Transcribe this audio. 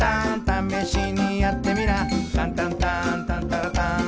「たんたんたんたんたらたん」